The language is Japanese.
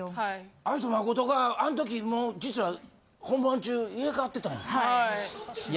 愛と誠があの時もう実は本番中入れ替わってたんや？